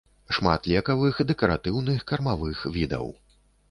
Шмат лекавых, дэкаратыўных, кармавых відаў.